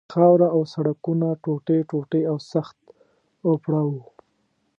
خاوره او سړکونه ټوټې ټوټې او سخت اوپړه وو.